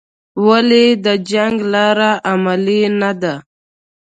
ولې د جنګ لاره عملي نه ده؟